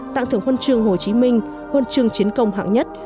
tặng thưởng huân trường hồ chí minh huân trường chiến công hạng nhất